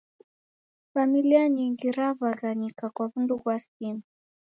Familia nyingi raw'aghanyika kwa w'undu ghwa simu